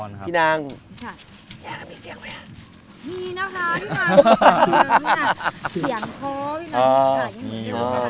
มีนะคะพี่นางมีเสียงไหมเสียงโทพี่นางมีเสียงไหม